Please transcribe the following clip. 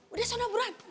udah soal naburan